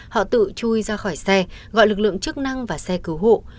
họ tự chui ra khỏi xe gọi lực lượng chức năng và xe cứu hộ